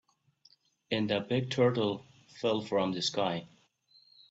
And a big turtle fell from the sky.